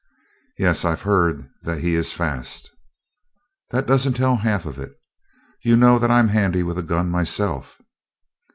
"Yes, I've heard that he is fast." "That doesn't tell half of it. You know that I'm handy with a gun myself?"